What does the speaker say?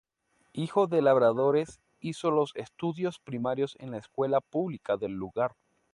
Hijo de labradores, hizo los estudios primarios en la escuela pública del lugar.